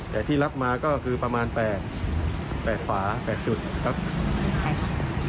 แต่ที่รับมาก็คือประมาณแปดแปดขวา๘จุดครับ